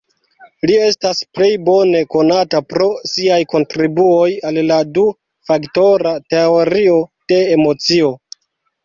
Li estas plej bone konata pro siaj kontribuoj al la du-faktora teorio de emocio.